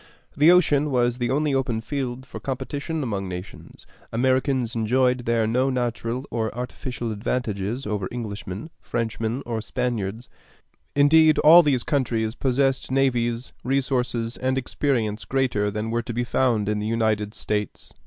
The ocean was the only open field for competition among nations. Americans enjoyed there no natural or artificial advantages over Englishmen, Frenchmen, or Spaniards; indeed, all these countries possessed navies, resources, and experience greater than were to be found in the United States.